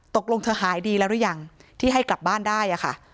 ตกลงเธอหายดีแล้วหรือยังที่ให้กลับบ้านได้อะค่ะ